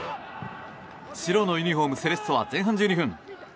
白のユニホーム、セレッソは前半１２分。